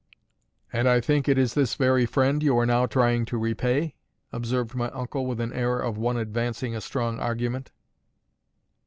"And I think it is this very friend you are now trying to repay?" observed my uncle, with an air of one advancing a strong argument.